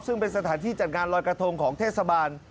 ซึ่งเป็นสถานที่จัดงานลอยกระทงของเทศบาล